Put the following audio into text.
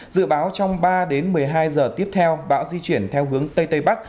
dự báo trong ba đến một mươi hai giờ tiếp theo bão di chuyển theo hướng tây tây bắc